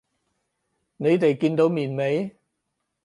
你哋見到面未？